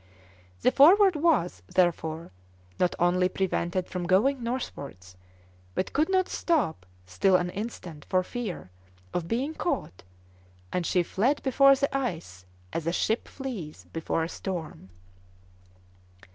The Forward was, therefore, not only prevented from going northwards, but could not stop still an instant for fear of being caught, and she fled before the ice as a ship flies before a storm.